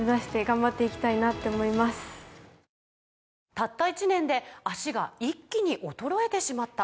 「たった１年で脚が一気に衰えてしまった」